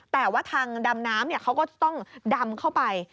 แต่ว่าทางดำน้ำเขาก็จะต้องดำเข้าไป